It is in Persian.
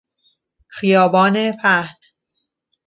خیابان پهن